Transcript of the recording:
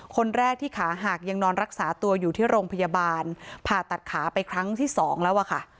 คนแรกที่ขาหักยังนอนรักษาตัวอยู่ที่โรงพยาบาลผ่าตัดขาไปครั้งที่สองแล้วอะค่ะ